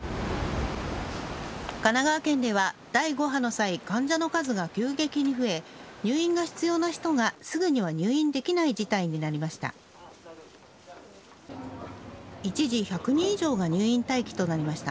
神奈川県では第５波の際、患者の数が急激に増え、入院が必要な人がすぐには入院できない事態になりました。